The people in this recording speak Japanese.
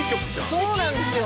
「そうなんですよ。